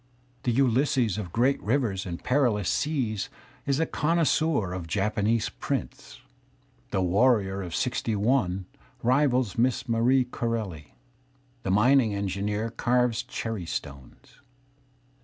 The Ulysses of great rivers and perilous seas is a connoisseur of Japanese prints. The warrior of 'Sixty one rivals Miss Marie Corelli. The mining engineer carves cherry stones.